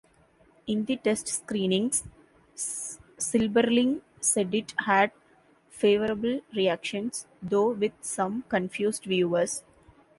In test screenings, Silberling said it had favorable reactions, though with some confused viewers.